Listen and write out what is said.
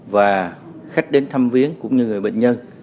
và khách đến thăm viến cũng như người bệnh nhân